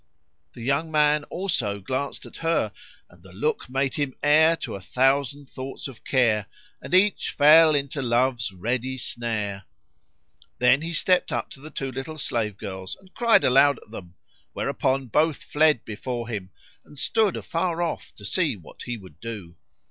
The young man also glanced at her and the look make him heir to a thousand thoughts of care; and each fell into Love's ready snare. Then he stepped up to the two little slave girls and cried aloud at them; whereupon both fled before him and stood afar off to see what he would do.